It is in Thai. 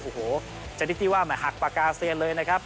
โอ้โหจริงว่ามันหักปากกาเสียเลยนะครับ